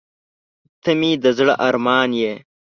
• ته مې د زړه ارمان یې.